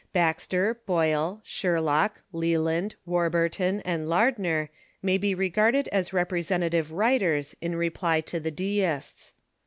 Baxter, Boyle, Sherlock, Leland, Warburton, and Lardner may be regarded as representative writers in re ply to the Deists.